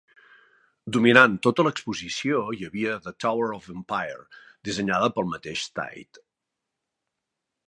Dominant tota l'exposició hi havia "The Tower of Empire", dissenyada pel mateix Tait.